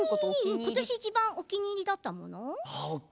今年いちばんお気に入りだったものは？